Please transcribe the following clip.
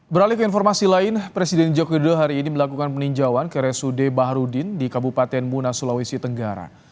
beralih ke informasi lain presiden joko widodo hari ini melakukan peninjauan ke resude baharudin di kabupaten muna sulawesi tenggara